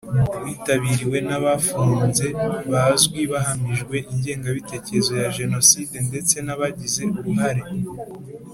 witabiriwe n abafunze bazwi bahamijwe ingengabitekerezo ya Jenoside ndetse n abagize uruhare